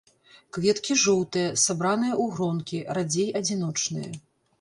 Кветкі жоўтыя, сабраныя ў гронкі, радзей адзіночныя.